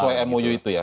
sesuai mou itu ya